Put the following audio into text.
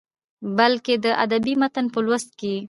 بلکې د ادبي متن په لوست کې يې